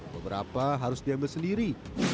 beberapa harus diambil sendiri